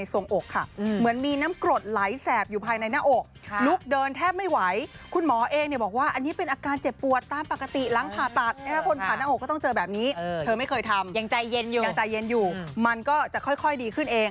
เธอไม่เคยทำยังใจเย็นอยู่มันก็จะค่อยดีขึ้นเอง